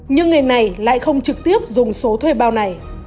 nhưng người này lại không trực tiếp dùng số thuê bao này